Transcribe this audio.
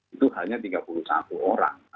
itu hanya tiga puluh satu orang